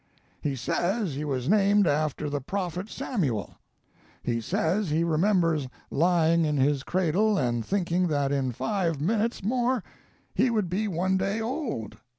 ] "He says he was named after the prophet Samuel. He says he remembers lying in his cradle and thinking that in five minutes more he would be one day old.